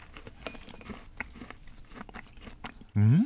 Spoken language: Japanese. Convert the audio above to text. うん？